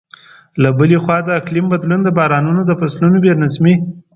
له بلې خوا، د اقلیم بدلون د بارانونو د فصلونو بې نظمۍ.